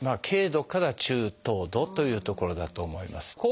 軽度から中等度というところだと思います。